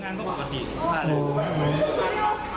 ผมไม่รู้